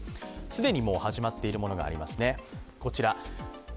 既にもう始まっているものがあります。